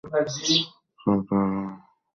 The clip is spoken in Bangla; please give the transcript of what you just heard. যিনি তোকে দিয়েছেন বুদ্ধিও তিনি দিয়েছেন।